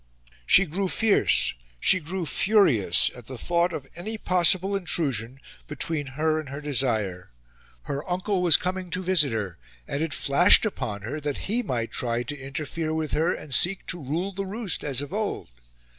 She grew fierce, she grew furious, at the thought of any possible intrusion between her and her desire. Her uncle was coming to visit her, and it flashed upon her that HE might try to interfere with her and seek to "rule the roost" as of old.